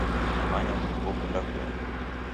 Namanya putu kokunda kuenda